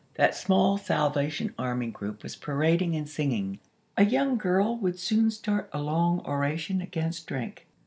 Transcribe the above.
That small Salvation Army group was parading and singing. A young girl would soon start a long oration against drink.